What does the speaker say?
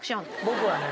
僕はね